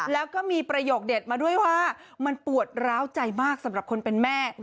แล้วก็มีประโยคเด็ดมาด้วยว่ามันปวดร้าวใจมากสำหรับคนเป็นแม่